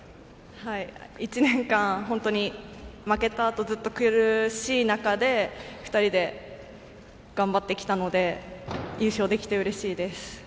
１年間、本当に負けた後ずっと苦しい中で２人で頑張ってきたので優勝できてうれしいです。